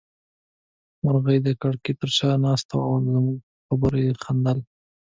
مرغۍ د کړکۍ تر شا ناسته وه او زموږ په خبرو يې خندل.